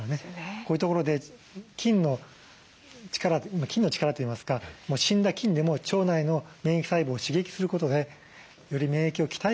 こういうところで菌の力といいますか死んだ菌でも腸内の免疫細胞を刺激することでより免疫を鍛える。